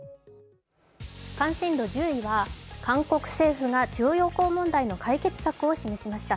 関心度１０位は韓国政府が徴用工問題の解決策を示しました。